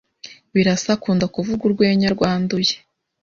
Birasa akunda kuvuga urwenya rwanduye